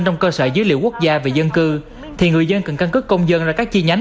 trong cơ sở dữ liệu quốc gia về dân cư thì người dân cần căn cứ công dân ra các chi nhánh